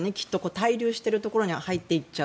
滞留しているところに入っていっちゃう。